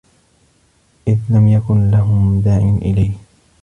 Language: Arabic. إذْ لَمْ يَكُنْ لَهُمْ دَاعٍ إلَيْهِ